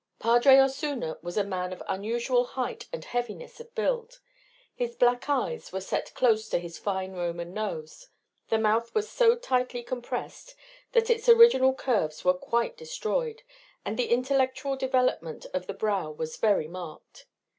Padre Osuna was a man of unusual height and heaviness of build. His black eyes were set close to his fine Roman nose. The mouth was so tightly compressed that its original curves were quite destroyed, and the intellectual development of the brow was very marked.